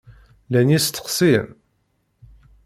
Llan yisteqsiyen?